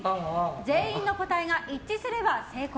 全員の答えが一致すれば成功。